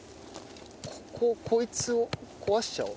こここいつを壊しちゃおう。